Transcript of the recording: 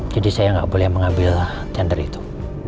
jadi saya gak boleh mengambil tender itu